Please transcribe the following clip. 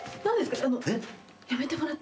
何ですか？